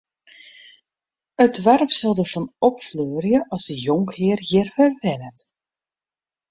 It doarp sil derfan opfleurje as de jonkhear hjir wer wennet.